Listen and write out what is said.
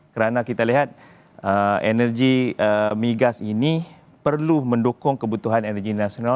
karena kita lihat energi migas ini perlu mendukung kebutuhan energi nasional